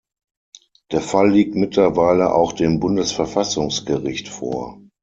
Der Fall liegt mittlerweile auch dem Bundesverfassungsgericht vor.